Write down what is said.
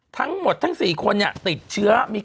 ทั้งหมดทั้ง๔คนติดเชื้อ